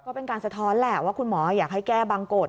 ก็เป็นการสะท้อนแหละว่าคุณหมออยากให้แก้บางกฎ